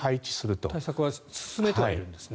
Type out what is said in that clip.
対策は進めてはいるんですね。